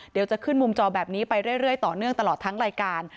เดี๋ยวจะขึ้นมุมจอแบบนี้ไปเรื่อยต่อเนื่องตลอดทั้งรายการ